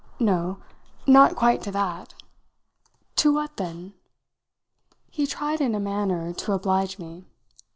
"No not quite to that." "To what then?" He tried in a manner to oblige me.